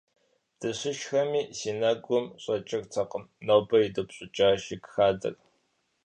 Дыщышхэми си нэгум щӀэкӀыртэкъым нобэ идупщӀыкӀа жыг хадэр.